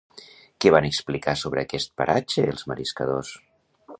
Què van explicar sobre aquest paratge els mariscadors?